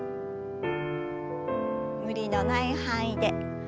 無理のない範囲で。